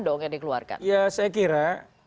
dong yang dikeluarkan ya saya kira